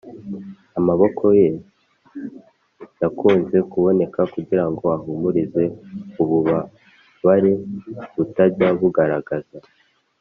amaboko ye yakunze kuboneka kugirango ahumurize ububabare butajya bugaragaza.